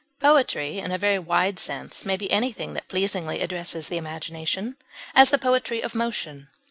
Poetry in a very wide sense may be anything that pleasingly addresses the imagination; as, the poetry of motion.